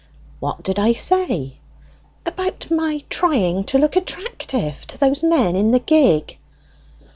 "What did I say?" "About my trying to look attractive to those men in the gig."